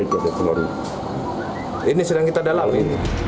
ini sedang kita dalami